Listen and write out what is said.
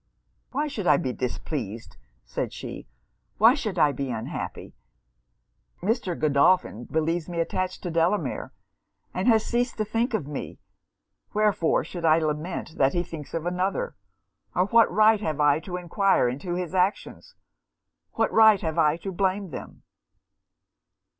'Why should I be displeased,' said she. 'Why should I be unhappy? Mr. Godolphin believes me attached to Delamere, and has ceased to think of me; wherefore should I lament that he thinks of another; or what right have I to enquire into his actions what right have I to blame them?'